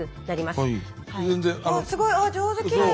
すごい上手きれい。